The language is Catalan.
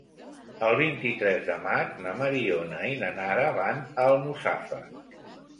El vint-i-tres de maig na Mariona i na Nara van a Almussafes.